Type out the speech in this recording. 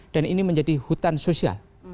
dan ini menjadi hutan sosial